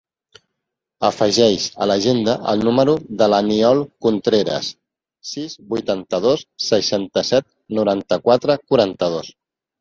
Afegeix a l'agenda el número de l'Aniol Contreras: sis, vuitanta-dos, seixanta-set, noranta-quatre, quaranta-dos.